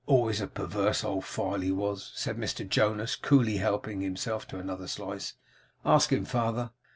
'Always a perverse old file, he was,' said Mr Jonas, coolly helping himself to another slice. 'Ask him, father.